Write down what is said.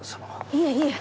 いえいえ！